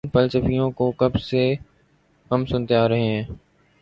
ان فلسفیوں کو کب سے ہم سنتے آ رہے ہیں۔